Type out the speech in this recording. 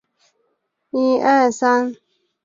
该物种的模式产地在甘肃临潭。